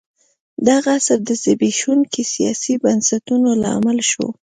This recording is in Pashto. دغه عصر د زبېښونکو سیاسي بنسټونو لامل شو.